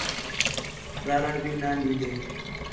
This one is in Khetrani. ڳاہلݨ بھی نان ݙین٘دے